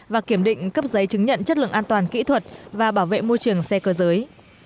và kiểm định cấp giấy chứng nhận chất lượng an toàn kỹ thuật và bảo vệ môi trường xe cơ giới